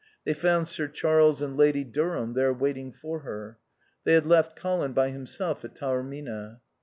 They found Sir Charles and Lady Durham there waiting for her. They had left Colin by himself at Taormina.